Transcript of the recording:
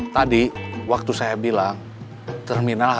semarang semarang semarang